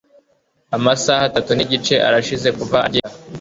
Amasaha atatu nigice arashize kuva agenda.